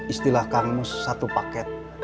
istilah kang mus satu paket